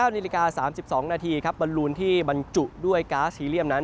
๙นิลิกา๓๒นาทีบัลลูนที่บรรจุด้วยกาสทีเรียมนั้น